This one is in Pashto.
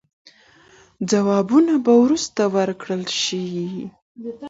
ځوابونه به وروسته ورکړل سي.